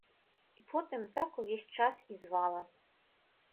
І потым так увесь час і звала.